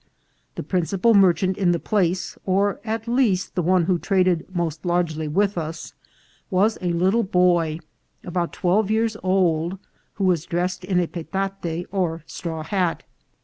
The principal merchant in the place, or, at least, the one who traded most largely with us, was a little boy about twelve years old, who was dressed in a petate or straw hat.